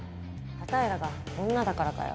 あたいらが女だからかよ？